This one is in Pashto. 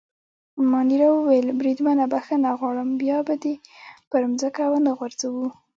مانیرا وویل: بریدمنه بخښنه غواړم، بیا به دي پر مځکه ونه غورځوو.